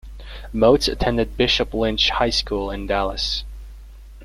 Moats attended Bishop Lynch High School in Dallas.